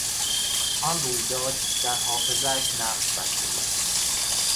آن رویداد در حافظهاش نقش بسته بود.